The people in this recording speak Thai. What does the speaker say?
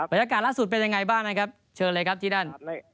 ยากล่าสุดเป็นยังไงบ้างนะครับเชิญเลยครับที่นั่น